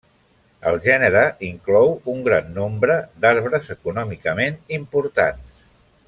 El gènere inclou un gran nombre d'arbres econòmicament importants.